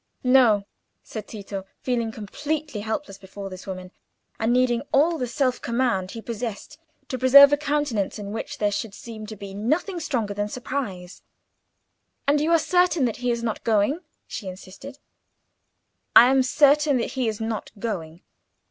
"No," said Tito, feeling completely helpless before this woman, and needing all the self command he possessed to preserve a countenance in which there should seem to be nothing stronger than surprise. "And you are certain that he is not going?" she insisted. "I am certain that he is not going."